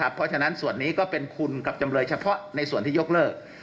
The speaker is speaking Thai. เพราะฉะนั้นส่วนนี้ก็เป็นคุณกับจำเลยเฉพาะในส่วนที่ยกเลิก